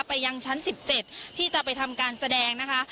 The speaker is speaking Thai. ไปยังชั้น๑๗ที่จะไปทำการแสดงนะคะ